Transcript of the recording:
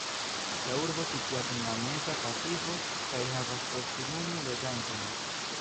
La urbo situas en la Meza Masivo kaj havas proksimume loĝantojn.